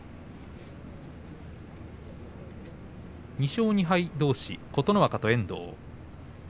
２勝２敗どうし琴ノ若と遠藤。